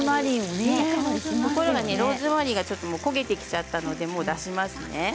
ローズマリーが焦げてしまったので、もう出しますね。